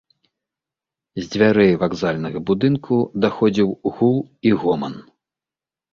З дзвярэй вакзальнага будынку даходзіў гул і гоман.